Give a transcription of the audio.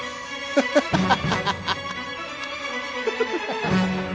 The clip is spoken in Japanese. ハハハハハ！